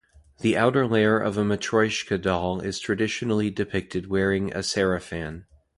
The outer layer of a Matryoshka doll is traditionally depicted wearing a sarafan.